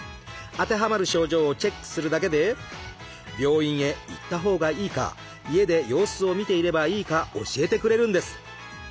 当てはまる症状をチェックするだけで病院へ行ったほうがいいか家で様子を見ていればいいか教えてくれるんです。